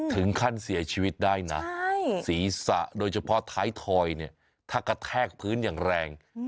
ถึงขั้นเสียชีวิตได้นะศีรษะโดยเฉพาะท้ายทอยเนี่ยถ้ากระแทกพื้นอย่างแรง